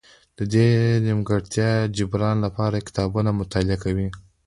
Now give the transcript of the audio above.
د دې نیمګړتیا جبران لپاره کتابونه مطالعه کوي.